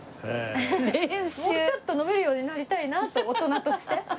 もうちょっと飲めるようになりたいなと大人として。